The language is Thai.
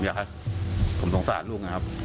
ใช่ครับแล้วผมต้องศาสตร์ลูกนะครับ